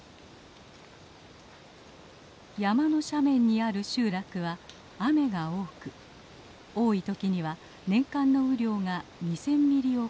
山の斜面にある集落は雨が多く多いときには年間の雨量が２，０００ミリを超えます。